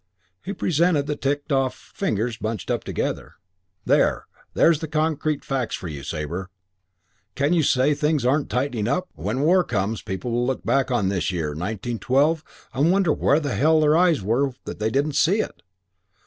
He presented the ticked off fingers bunched up together. "There, there's concrete facts for you, Sabre. Can you say things aren't tightening up? Why, if war when war comes people will look back on this year, 1912, and wonder where in hell their eyes were that they didn't see it.